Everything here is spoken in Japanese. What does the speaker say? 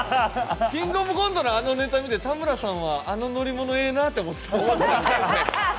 「キングオブコント」のあのネタ見て、田村さんはあの乗り物ええなって思ってた。